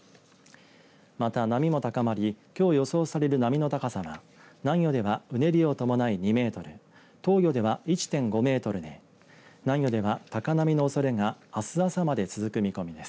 また、波も高まりきょう予想される波の高さは南予ではうねりを伴い２メートル東予では１．５メートルで南予では高波のおそれがあす朝まで続く見込みです。